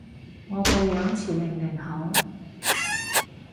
我個樣似零零後？